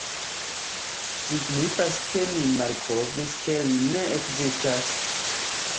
Signifas ke ni malkovris ke li ne ekzistas!”.